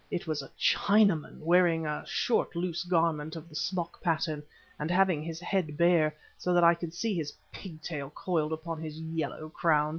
It was a Chinaman, wearing a short loose garment of the smock pattern, and having his head bare, so that I could see his pigtail coiled upon his yellow crown.